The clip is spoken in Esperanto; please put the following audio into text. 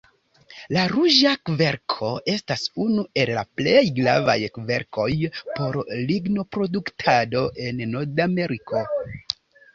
La ruĝa kverko estas unu el la plej gravaj kverkoj por lignoproduktado en Nordameriko.